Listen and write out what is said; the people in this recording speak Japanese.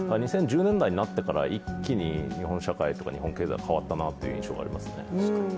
２０１０年代になってから一気に日本経済、日本社会が変わった印象がありますね。